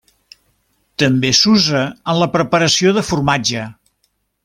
També s'usa en la preparació de formatge.